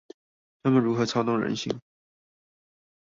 他們如何操弄人心？